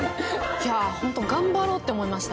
いやあホント頑張ろうって思いました。